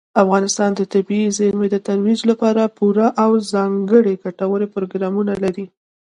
افغانستان د طبیعي زیرمې د ترویج لپاره پوره او ځانګړي ګټور پروګرامونه لري.